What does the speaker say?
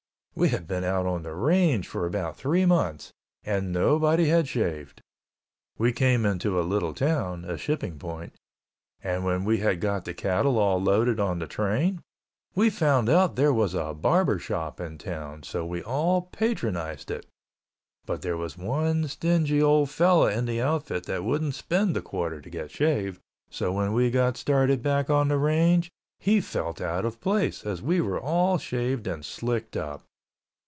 We had been out on the range for about three months, and nobody had shaved. We came into a little town (a shipping point) and when we had got the cattle all loaded on the train, we found out there was a barber shop in town, so we all patronized it, but there was one stingy old fellow in the outfit that wouldn't spend a quarter to get shaved, so when we got started back on the range, he felt out of place, as we were all shaved and slicked up.